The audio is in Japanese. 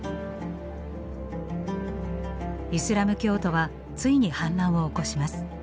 イスラム教徒はついに反乱を起こします。